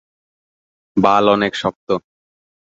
বাল অনেক শক্ত।